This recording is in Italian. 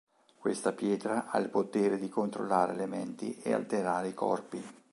Questa pietra ha il potere di controllare le menti e alterare i corpi.